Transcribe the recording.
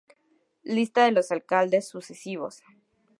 Lista de los alcaldes sucesivos